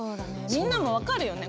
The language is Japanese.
みんなも分かるよね？